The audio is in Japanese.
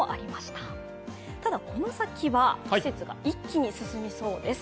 ただ、この先は季節が一気に進みそうです。